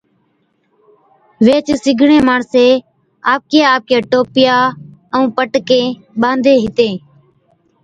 ويھِچ سِگڙين ماڻسين آپڪِيا آپڪِيا ٽوپيا ائُون پٽڪين ٻانڌي ھِتين